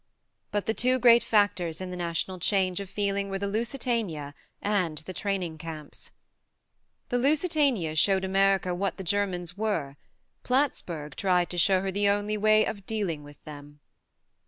But the two great factors in the national change of feeling were the Lusitania and the training camps. The Lusitania showed America what the Germans were, Plattsburg tried to show her the only way of dealing with them.